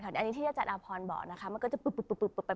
อันนี้ที่รัฐอาพรณ์เบาะนะนะมันก็จะปลุบไป